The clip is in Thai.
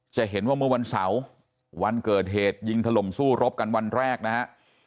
จะเห็นว่าเมื่อวันเสาร์วันเกิดเหตุยิงถล่มสู้รบกันวันแรกนะฮะ